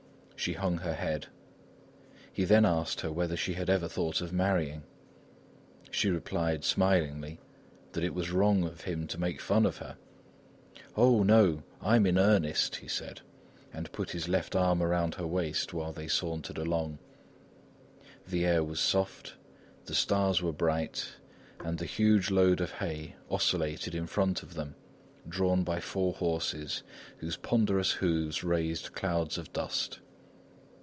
She hung her head. He then asked her whether she had ever thought of marrying. She replied, smilingly, that it was wrong of him to make fun of her. "Oh! no, I am in earnest," he said, and put his left arm around her waist while they sauntered along. The air was soft, the stars were bright, and the huge load of hay oscillated in front of them, drawn by four horses whose ponderous hoofs raised clouds of dust.